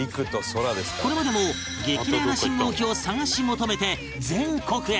これまでも激レアな信号機を探し求めて全国へ